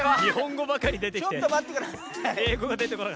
日本語ばかり出てきて。